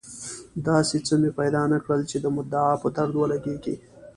داسې څه مې پیدا نه کړل چې د مدعا په درد ولګېږي.